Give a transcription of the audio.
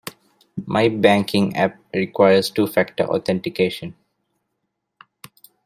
My banking app requires two factor authentication.